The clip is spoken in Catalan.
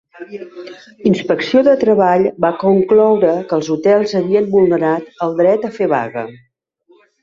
Inspecció de Treball va concloure que els hotels havien vulnerat el dret a fer vaga.